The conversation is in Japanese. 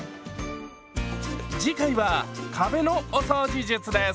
次回は壁のお掃除術です。